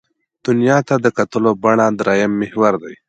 دنیا ته د کتلو بڼه درېیم محور دی.